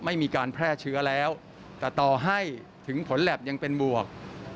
ไม่มีการแพร่เชื้อแล้วแต่ต่อให้ถึงผลแหลบยังเป็นบวก